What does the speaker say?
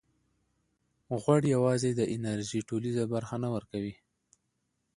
غوړ یوازې د انرژۍ ټولیزه برخه نه ورکوي.